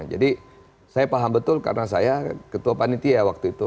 jadi saya paham betul karena saya ketua panitia waktu itu